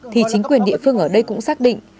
thì chính quyền địa phương ở đây cũng xác định